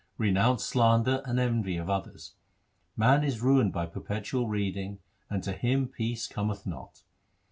Renounce slander and envy of others. Man is ruined by perpetual reading, and to him peace cometh not.